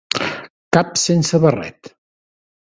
Cap sense barret.